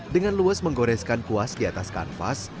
dengan luas menggoreskan kuas di atas kanvas